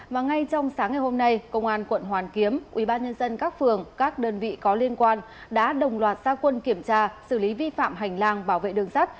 và ngay trong sáng ngày hôm nay công an quận hoàn kiếm ubnd tp hà nội các phường các đơn vị có liên quan đã đồng loạt xa quân kiểm tra xử lý vi phạm hành lang bảo vệ đường sắt